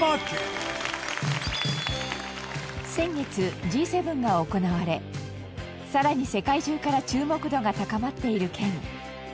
先月Ｇ７が行われさらに世界中から注目度が高まっている県。